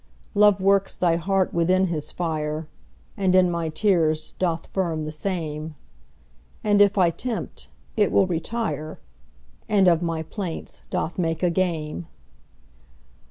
Love works thy heart within his fire, And in my tears doth firm the same; And if I tempt, it will retire, And of my plaints doth make a game.